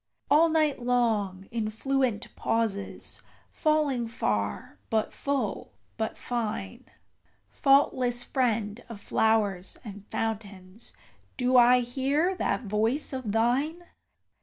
All night long, in fluent pauses, falling far, but full, but fine, Faultless friend of flowers and fountains, do I hear that voice of thine.